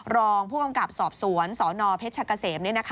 รองผู้กำกับสอบสวนสนเพชรกะเสม